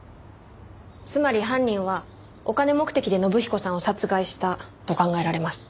つまり犯人はお金目的で信彦さんを殺害したと考えられます。